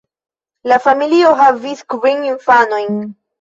La familio havis kvin infanojn.